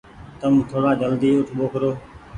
تم ٿوڙآ جلدي اوٺ ٻوکرو۔